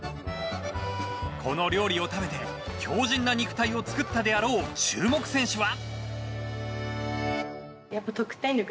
この料理を食べて強靭な肉体を作ったであろう注目選手は。